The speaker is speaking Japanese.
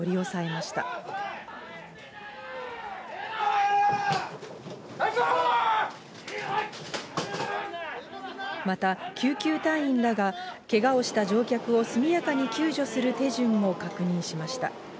また救急隊員らがけがをした乗客を速やかに救助する手順も確認しました。